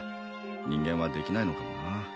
人間はできないのかもな